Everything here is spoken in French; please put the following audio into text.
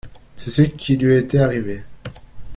C’est ce qui lui était arrivé.